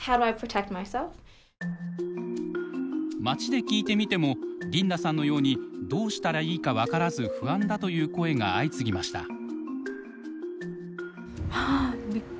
街で聞いてみてもリンダさんのようにどうしたらいいか分からず不安だという声が相次ぎました。